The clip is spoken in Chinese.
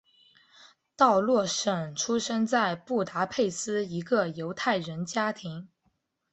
道洛什出生在布达佩斯一个犹太人家庭。